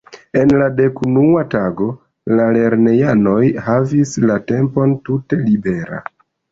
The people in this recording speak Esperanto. En la dekunua tago la lernejanoj havis la tempon tute libera.